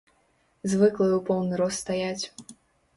Звыклыя ў поўны рост стаяць.